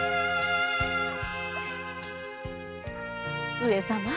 上様。